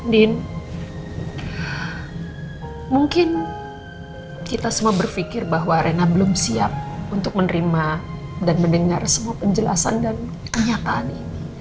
din mungkin kita semua berpikir bahwa arena belum siap untuk menerima dan mendengar semua penjelasan dan kenyataan ini